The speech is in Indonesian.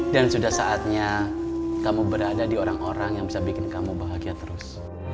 dan sudah saatnya kamu berada di orang orang yang bisa bikin kamu bahagia terus